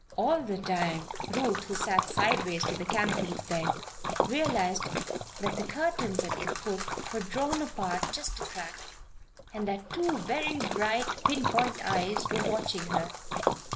All the time Ruth, who sat sideways to the canopied bed, realized that the curtains at the foot were drawn apart just a crack and that two very bright, pin point eyes were watching her.